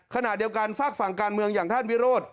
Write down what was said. ขณะเดียวกันฝากฝั่งการเมืองอย่างท่านวิโรธ